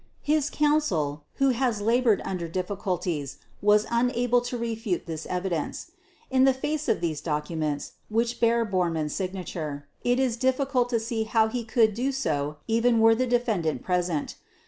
His Counsel, who has labored under difficulties, was unable to refute this evidence. In the face of these documents, which bear Bormann's signature, it is difficult to see how he could do so even were the defendant present.